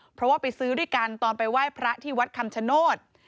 เพราะว่าไปซื้อด้วยกันตอนไปไหว้พระที่วัดคำชโนธ